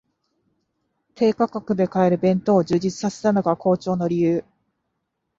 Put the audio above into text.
低価格で買える弁当を充実させたのが好調の理由